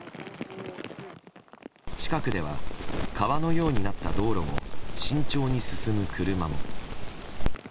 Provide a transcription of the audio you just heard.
近くでは川のようになった道路を慎重に進む車も。